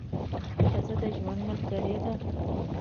ښځه د ژوند ملګرې ده.